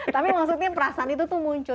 tapi maksudnya perasaan itu tuh muncul